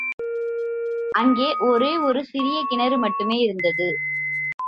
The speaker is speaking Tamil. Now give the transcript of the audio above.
அங்கே ஒரே ஒரு சிறிய கிணறு மட்டுமே இருந்தது.